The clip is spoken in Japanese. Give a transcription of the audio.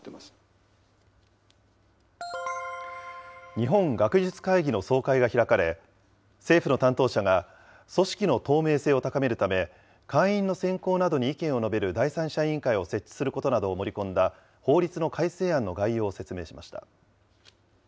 日本学術会議の総会が開かれ、政府の担当者が組織の透明性を高めるため、会員の選考などに意見を述べる第三者委員会を設置することなどを盛り込んだ、法律の改正案の概要を説明しました。